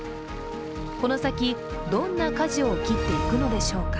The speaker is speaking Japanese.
この先、どんなかじを切っていくのでしょうか。